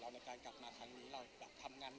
เราแบบทำงานหนักขนาดไหน